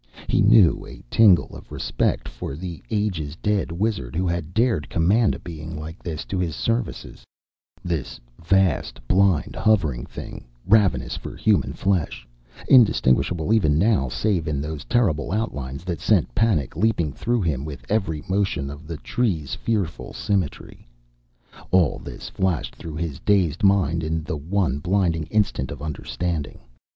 He knew a tingle of respect for the ages dead wizard who had dared command a being like this to his services this vast, blind, hovering thing, ravenous for human flesh, indistinguishable even now save in those terrible outlines that sent panic leaping through him with every motion of the Tree's fearful symmetry. All this flashed through his dazed mind in the one blinding instant of understanding.